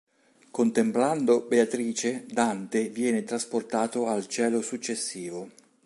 Contemplando Beatrice, Dante viene trasportato al cielo successivo.